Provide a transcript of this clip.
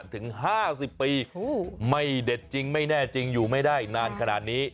ถึง๕๐ปีไม่เด็ดจริงไม่แน่จริงอยู่ไม่ได้นานขนาดนี้